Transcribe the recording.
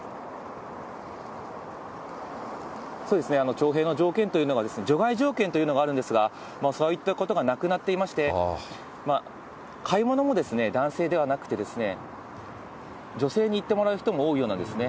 徴兵の条件というのが、除外条件というのがあるんですが、そういったことがなくなっていまして、買い物も男性ではなくて、女性に行ってもらう人も多いようなんですね。